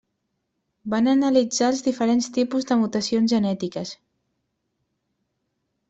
Van analitzar els diferents tipus de mutacions genètiques.